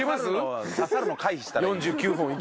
刺さるの回避したらいい。